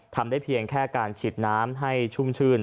ทำได้เพียงแค่การฉีดน้ำให้ชุ่มชื่น